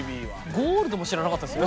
ゴールドも知らなかったですよ。